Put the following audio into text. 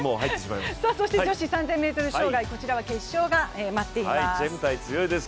そして女子３０００ｍ障害、こちらは決勝が待っています。